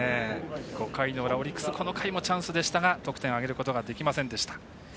５回の裏、オリックスこの回もチャンスでしたが得点挙げることできませんでした。